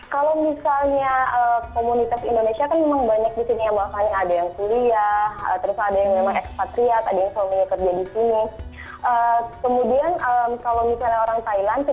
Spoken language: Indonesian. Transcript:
kalau misalnya komunitas indonesia kan memang banyak di sini ya